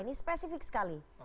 ini spesifik sekali